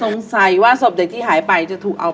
สงสัยว่าศพเด็กที่หายไปจะถูกเอา